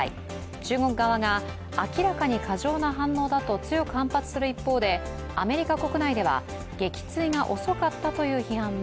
中国側が、明らかに過剰な反応だと強く反発する一方でアメリカ国内では撃墜が遅かったという批判も。